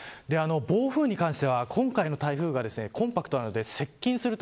暴風に関しては、今回の台風がコンパクトなので接近すると